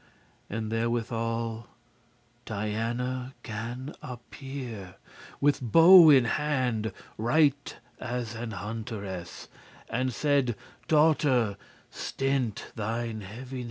And therewithal Diana gan appear With bow in hand, right as an hunteress, And saide; "Daughter, stint* thine heaviness.